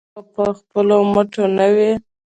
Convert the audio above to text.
آیا او په خپلو مټو نه وي؟